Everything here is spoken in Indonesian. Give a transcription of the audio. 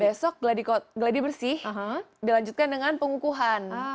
besok geladi bersih dilanjutkan dengan pengukuhan